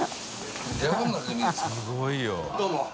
すごいよ。